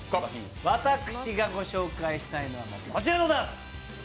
私がご紹介したいのはこちらです。